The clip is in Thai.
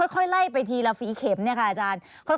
ค่อยไล่ไปทีละฝีเข็มเนี่ยค่ะอาจารย์